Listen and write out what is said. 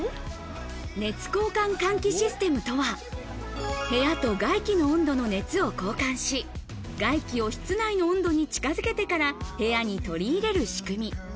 熱交換換気システムとは、部屋と外気の温度の熱を交換し、外気を室内の温度に近づけてから部屋に取り入れる仕組み。